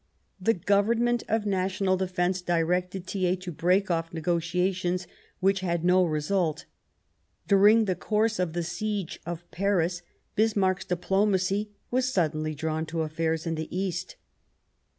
The Government of National Defence directed Thiers to break off negotiations which had no result. During the course of the Siege of Paris Bis marck's diplomacy was suddenly drawn to affairs in the East.